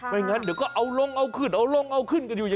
ไม่งั้นเดี๋ยวก็เอาลงเอาขืดเอาลงเอาขึ้นอย่างนี้